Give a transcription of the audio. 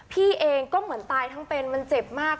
พี่เองก็เหมือนตายทั้งเป็นมันเจ็บมาก